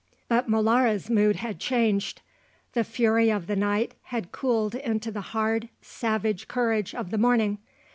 But Molara's mood had changed. The fury of the night had cooled into the hard, savage courage of the morning.